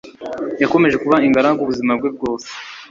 yakomeje kuba ingaragu ubuzima bwe bwose